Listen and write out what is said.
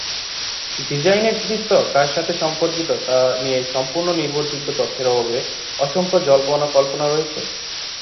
ডিজাইনের কৃতিত্ব কার সাথে সম্পর্কিত তা নিয়ে সম্পূর্ণ নির্ভরযোগ্য তথ্যের অভাবে অসংখ্য জল্পনা কল্পনা রয়েছে।